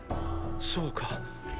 そうか。